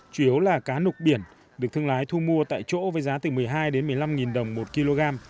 chủ yếu là cá nục biển được thương lái thu mua tại chỗ với giá từ một mươi hai một mươi năm đồng một kg